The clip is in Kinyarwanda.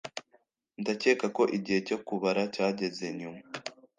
Ndakeka ko igihe cyo kubara cyageze nyuma.